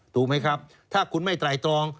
ถูกไหมครับถ้าคุณไม่ไตรตรอง